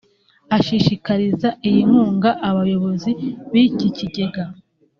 Ashyikirizaga iyi nkunga abayobozi b’iki kigega